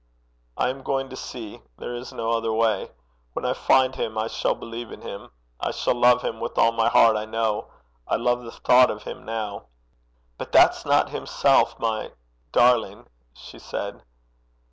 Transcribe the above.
'I am going to see. There is no other way. When I find him, I shall believe in him. I shall love him with all my heart, I know. I love the thought of him now.' 'But that's not himself, my darling!' she said.